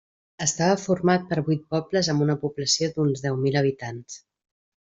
Estava format per vuit pobles amb una població d'uns deu mil habitants.